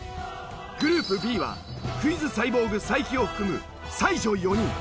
グループＢはクイズサイボーグ才木を含む才女４人。